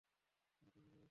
শিশুটা মারা গেছে।